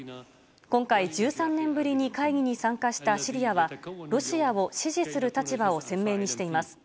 今回１３年ぶりに会議に参加したシリアはロシアを支持する立場を鮮明にしています。